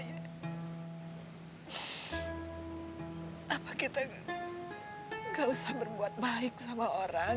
apa kita gak usah berbuat baik sama orang